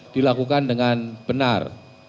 dilakukan dengan benar